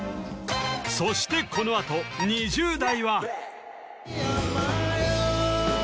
そしてこのあと２０代はアンマーよ